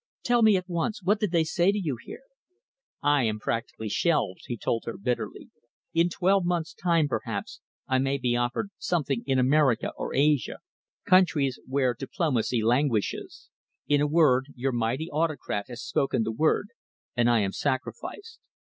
Tell me at once, what did they say to you here?" "I am practically shelved," he told her bitterly. "In twelve months' time, perhaps, I may be offered something in America or Asia countries where diplomacy languishes. In a word, your mighty autocrat has spoken the word, and I am sacrificed."